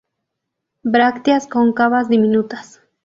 Brácteas cóncavas diminutas.